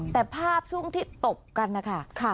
แต่ภาพช่วงที่ตบกันนะคะ